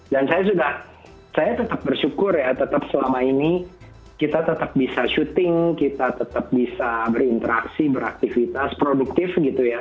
dan saya sudah saya tetap bersyukur ya tetap selama ini kita tetap bisa syuting kita tetap bisa berinteraksi beraktivitas produktif gitu ya